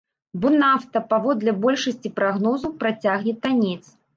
Бо нафта, паводле большасці прагнозаў, працягне таннець.